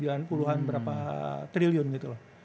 dua ratus sembilan puluh an berapa triliun gitu loh